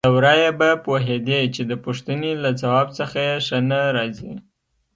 له ورايه به پوهېدې چې د پوښتنې له ځواب څخه یې ښه نه راځي.